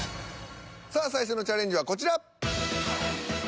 さあ最初のチャレンジはこちら。